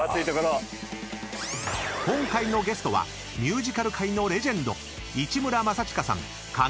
［今回のゲストはミュージカル界のレジェンド］